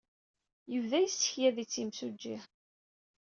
Yebda yessekyad-itt yimsujji.